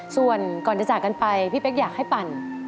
ส่วนก่อนจะจากกันไปพี่เป๊กอยากให้ปั่น